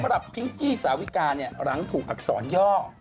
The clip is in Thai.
สำหรับพิ้งกี้สาวิกาหลังถูกอักษรย่อ